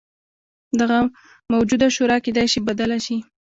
دغه موجوده شورا کېدای شي بدله شي.